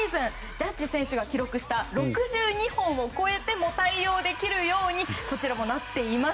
ジャッジ選手が記録した６２本を超えても対応できるようにこちらもなっています。